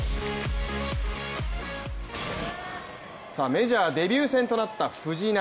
メジャーデビュー戦となった藤浪。